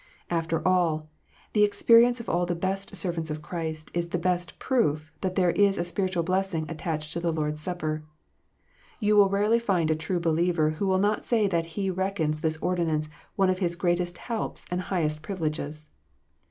After all, the experience of all the best servants of Christ is the best proof that there is a special blessing attached to the Lord s Supper. You will rarely find a true believer who will not say that he reckons this ordinance one of his greatest helps and highest privileges.